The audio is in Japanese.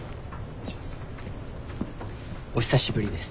お久しぶりです。